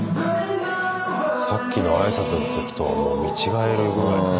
さっきの挨拶の時とはもう見違えるぐらいの。